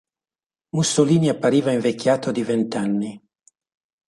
Mussolini appariva invecchiato di vent’anni.